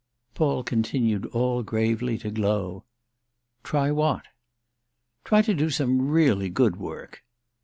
Paul continued all gravely to glow. "Try what?" "Try to do some really good work."